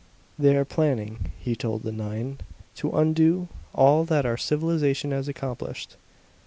"They are planning," he told the nine, "to undo all that our civilization has accomplished.